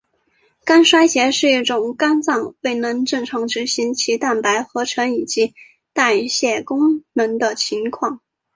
肝衰竭是一种肝脏未能正常执行其蛋白合成以及代谢功能的情况。